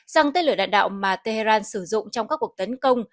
rằng tên lửa đạn đạo mà tehran sử dụng trong các cuộc tấn công